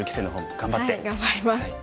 頑張ります。